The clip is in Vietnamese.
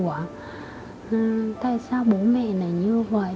ủa tại sao bố mẹ là như vậy